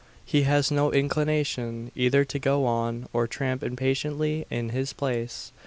He has no inclination either to go on, or tramp impatiently in his place.